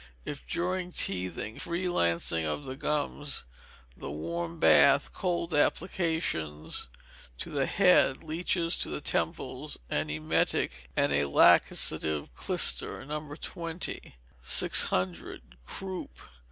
If during teething, free lancing of the gums, the warm bath, cold applications to the head, leeches to the temples, an emetic, and a laxative clyster, No. 20. 600. Croup.